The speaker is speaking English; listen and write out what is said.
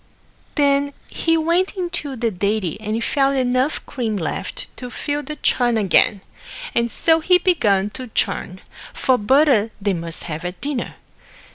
Then he went into the dairy and found enough cream left to fill the churn again, and so he began to churn, for butter they must have at dinner.